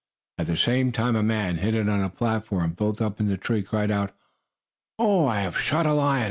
At the same time a man hidden on a platform built up in a tree, cried out: "Oh, I have shot a lion!